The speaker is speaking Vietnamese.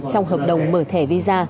trong hợp đồng mở thẻ visa